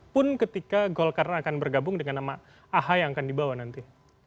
pun ketika golkar akan bergabung dengan nama ahy yang akan dibawa nanti